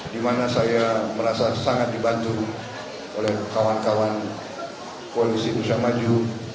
di mana saya merasa sangat dibantu oleh kawan kawan koalisi indonesia maju